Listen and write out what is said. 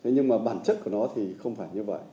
nhưng mà bản chất của nó thì không phải như vậy